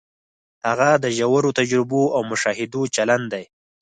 هغه د ژورو تجربو او مشاهدو چلن دی.